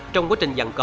trong quá trình dằn co